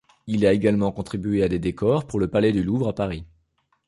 Il a également contribué à des décors pour le palais du Louvre à Paris.